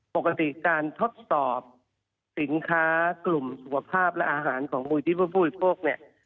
ปกติการทดสอบสินค้ากลุ่มสุขภาพและอาหารของมูลที่ผู้บริโภคเนี่ย